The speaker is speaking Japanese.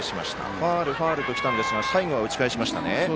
ファウル、ファウルときましたが最後は打ち返しましたね。